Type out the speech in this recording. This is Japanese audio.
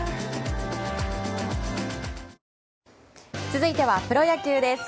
続いてはプロ野球です。